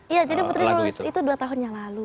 iya jadi putri menulis itu dua tahunnya lalu